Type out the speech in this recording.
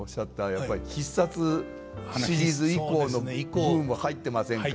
やっぱり「必殺」シリーズ以降の部分も入ってませんか。